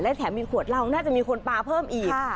และแถมมีขวดเหล้าน่าจะมีคนปลาเพิ่มอีก